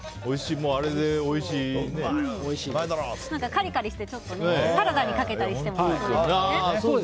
カリカリして、サラダにかけたりしてもおいしそうですね。